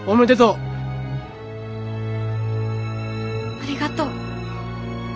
ありがとう。